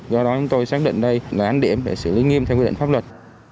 do đó chúng tôi xác định đây là án điểm để xử lý nghiêm theo quy định pháp luật